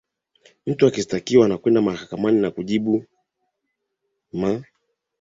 mtu ukishtakiwa unakwenda mahakamani na kujibu ma